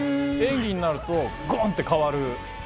演技になるとゴンって変わる。